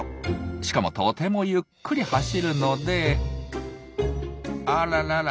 しかもとてもゆっくり走るのであららら！